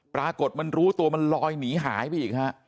ปรากฏมันรู้ตัวมันลอยหนีหายไปอีกฮะ